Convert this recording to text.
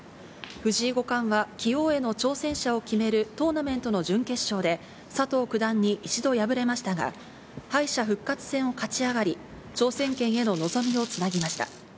藤井五冠は棋王への挑戦者を決めるトーナメントの準決勝で、佐藤九段に一度敗れましたが、敗者復活戦を勝ち上がり、挑戦権への望みをつなぎました。